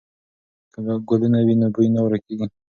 که ګلونه وي نو بوی نه ورکېږي.